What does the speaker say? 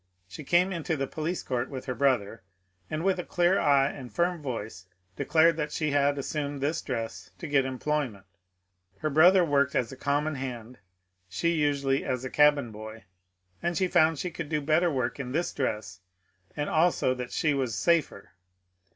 She came into the police court with her bro ther, and with a clear eye and firm voice declared that she had* assumed this dress to get employment. Her brother worked as a common hand, she usually as a cabin boy, and she found' she could do better work in this dress and also that she was* " safer."